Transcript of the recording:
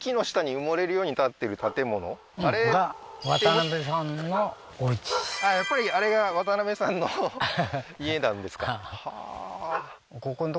建物あれやっぱりあれが渡辺さんの家なんですか？